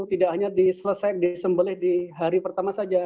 tidak hanya diselesaikan disembelih di hari pertama saja